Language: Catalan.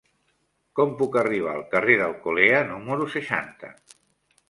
Com puc arribar al carrer d'Alcolea número seixanta?